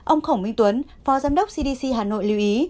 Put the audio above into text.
ông khổng minh tuấn phó giám đốc cdc hà nội lưu ý